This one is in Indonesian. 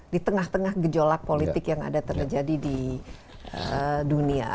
di tengah tengah gejolak politik yang ada terjadi di dunia